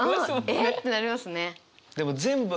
えっ！ってなりますね。